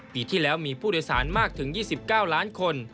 ปีที่แล้วมีผู้โดยสารมากถึง๒๙ล้านคน